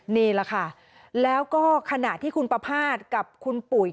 นี่แหละค่ะแล้วก็ขณะที่คุณประภาษณ์กับคุณปุ๋ย